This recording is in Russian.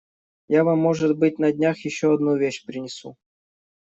Я вам может быть, на днях, еще одну вещь принесу.